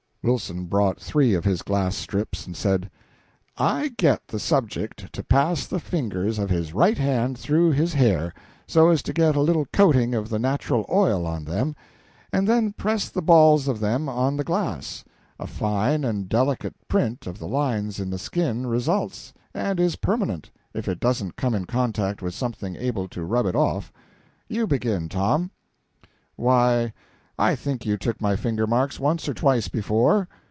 Wilson brought three of his glass strips, and said "I get the subject to pass the fingers of his right hand through his hair, so as to get a little coating of the natural oil on them, and then press the balls of them on the glass. A fine and delicate print of the lines in the skin results, and is permanent, if it doesn't come in contact with something able to rub it off. You begin, Tom." "Why, I think you took my finger marks once or twice before."